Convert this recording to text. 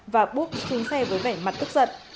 và búp xuống xe với vẻ mặt ức giận